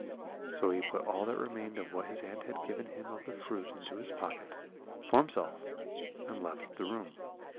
"So he put all that remained of what his aunt had given him of the fruit into his pocket, for himself, and left the room.